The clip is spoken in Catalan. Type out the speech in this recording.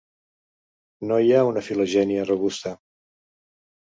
No hi ha una filogènia robusta.